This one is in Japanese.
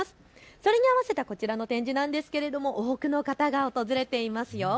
それに合わせたこちらの展示なんですけれども多くの方が訪れていますよ。